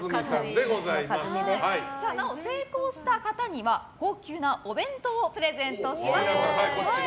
正解した方には高級なお弁当をプレゼントします。